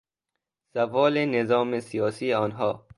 زوال نظام سیاسی آنها